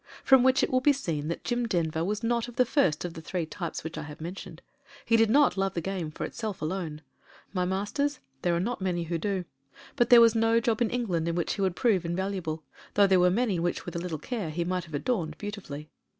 From which it will be seen that Jim Denver was not of the first of the three types which I have men tioned. He did not love the game for itself alone; my masters, there are not many who do. But there was no job in England in which he would prove in valuable : though there were many which with a little care he might have adorned beautifully.